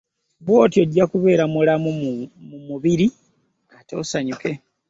Bw'otyo ojja kubeera mulamu mu mubiri ate osanyuke.